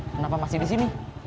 kenapa masih di sini